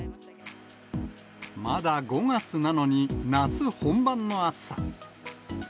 まだ５月なのに、夏本番の暑さ。